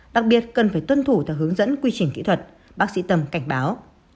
đặc biệt cần phải tuân thủ theo hướng dẫn quy trình kỹ thuật bác sĩ tâm cảnh báo